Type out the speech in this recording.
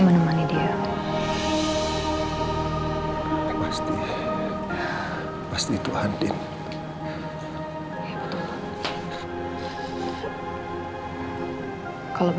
oh ya silakan bu